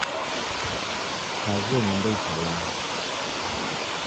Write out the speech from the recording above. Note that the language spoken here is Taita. Kazi yenyu ndeitalwagha